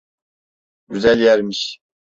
Güzel yermiş.